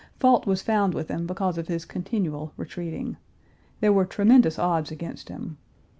Fault was found with him because of his continual retreating. There were tremendous odds against him.